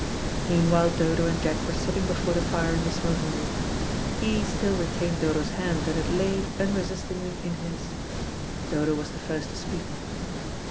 Meanwhile Dodo and Jack were sitting before the fire in the smoking room. He still retained Dodo's hand, and it lay; unresistingly in his. Dodo was the first to speak.